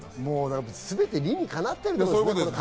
全て理にかなってるんですね。